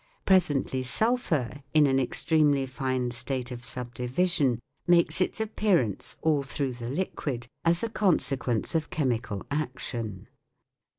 Presently sulphur in an extremely fine state of subdivision makes its appearance all through the liquid as a consequence of chemical action.